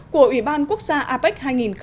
của ủy ban quốc gia apec hai nghìn một mươi bảy